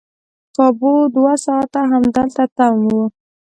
کابو دوه ساعته همدلته تم وو.